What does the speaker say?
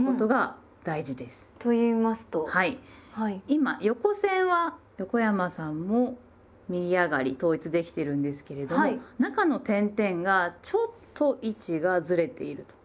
今横線は横山さんも右上がり統一できてるんですけれども中の点々がちょっと位置がずれていると。